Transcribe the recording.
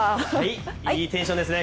いいテンションですね